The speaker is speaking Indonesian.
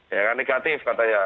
ya kan negatif katanya